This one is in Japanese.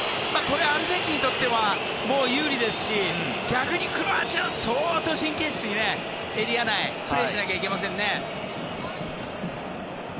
アルゼンチンにとっては有利ですし逆にクロアチアは相当、神経質にエリア内プレーしなきゃいけませんね。